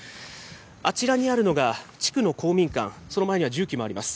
あちらにあるのが地区の公民館、その前には重機もあります。